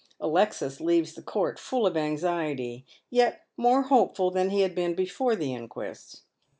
Alexis leaves the court full of anxiety, yet more hopeful than he had been before the inquest.